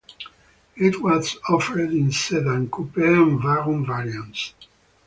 It was offered in sedan, coupe and wagon variants.